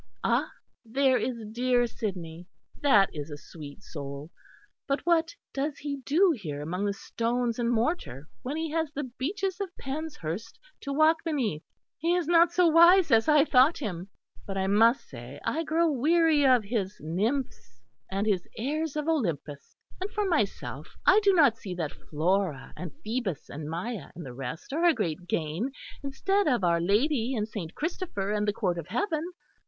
Ah! there is dear Sidney; that is a sweet soul. But what does he do here among the stones and mortar when he has the beeches of Penshurst to walk beneath. He is not so wise as I thought him.... But I must say I grow weary of his nymphs and his airs of Olympus. And for myself, I do not see that Flora and Phoebus and Maia and the rest are a great gain, instead of Our Lady and Saint Christopher and the court of heaven.